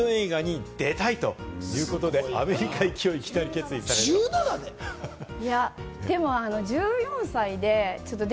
こちら、ハリウッド映画に出たいということで、アメリカ行きをいきなり決意されました。